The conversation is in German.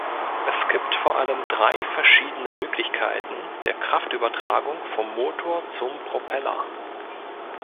Es gibt vor allem drei verschiedene Möglichkeiten der Kraftübertragung vom Motor zum Propeller.